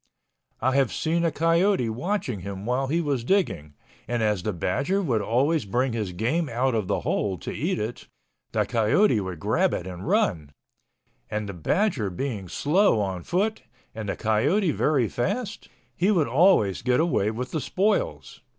I have seen a coyote watching him while he was digging and as the badger would always bring his game out of the hole to eat it, the coyote would grab it and run, and the badger being slow on foot and the coyote very fast, he would always get away with the spoils.